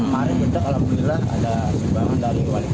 paling beda alhamdulillah ada sumbangan dari wali kota